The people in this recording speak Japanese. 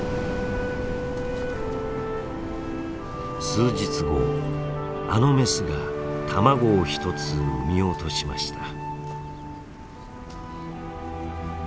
数日後あのメスが卵を１つ産み落としました。